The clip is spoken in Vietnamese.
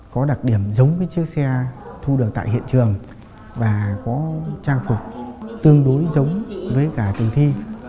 có đặc điểm giống với chiếc xe thu được tại hiện trường và có trang phục tương đối giống với cả tình thi